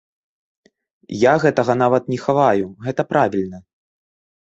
Я гэтага нават не хаваю, гэта правільна.